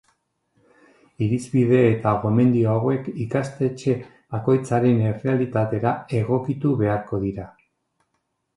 Irizpide eta gomendio hauek ikastetxe bakoitzaren errealitatera egokitu beharko dira.